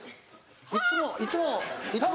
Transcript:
いつもいつも。